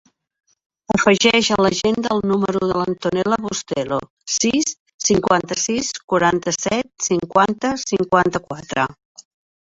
Afegeix a l'agenda el número de l'Antonella Bustelo: sis, cinquanta-sis, quaranta-set, cinquanta, cinquanta-quatre.